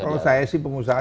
kalau saya sih pengusaha